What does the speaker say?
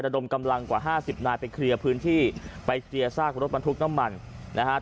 ดมกำลังกว่าห้าสิบนายไปเคลียร์พื้นที่ไปเคลียร์ซากรถบรรทุกน้ำมันนะฮะ